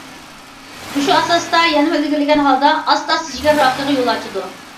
مۇشۇ ئاساستا يەنىمۇ ئىلگىرىلىگەن ھالدا ئاستا- ئاستا جىگەر راكىغا يول ئاچىدۇ.